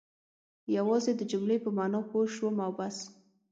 یوازې د جملې په معنا پوه شوم او بس.